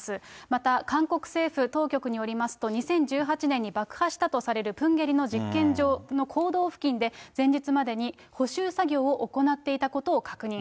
また韓国政府当局によりますと、２０１８年に爆破したとされるプンゲリの実験場の坑道付近で、前日までに補修作業を行っていたことを確認。